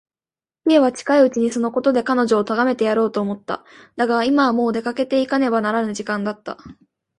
Ｋ は近いうちにそのことで彼女をとがめてやろうと思った。だが、今はもう出かけていかねばならぬ時間だった。